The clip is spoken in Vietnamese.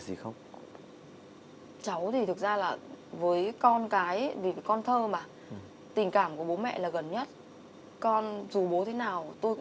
xuống không xuống bán hàng cho tôi